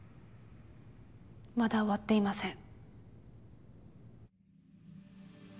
まだ終わっていません。